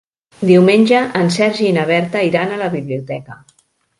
Diumenge en Sergi i na Berta iran a la biblioteca.